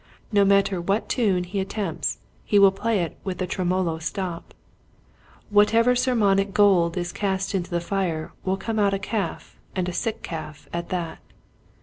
No matter what tune he attempts he will play it with the tremolo stop. Whatever sermonic gold is cast into the fire will come out a calf and a sick calf at that.